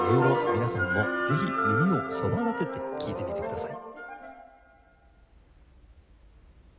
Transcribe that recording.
皆さんもぜひ耳をそばだてて聴いてみてください。